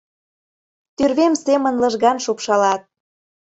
Тÿрвем семын лыжган шупшалат.